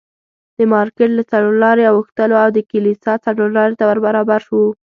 د مارکېټ له څلور لارې اوښتلو او د کلیسا څلورلارې ته ور برابر شوو.